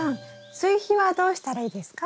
追肥はどうしたらいいですか？